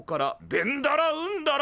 ベンダラウンダラ。